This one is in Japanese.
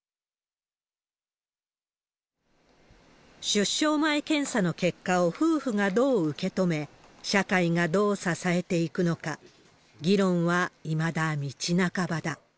出生前検査の結果を夫婦がどう受け止め、社会がどう支えていくのか、議論はいまだ道半ばだ。